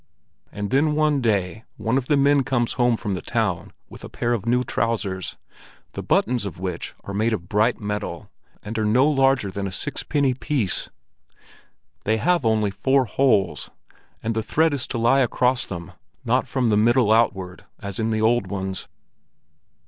And then one day, one of the men comes home from the town with a pair of new trousers, the buttons of which are made of bright metal and are no larger than a sixpenny piece! They have only four holes, and the thread is to lie across them, not from the middle outward, as in the old ones.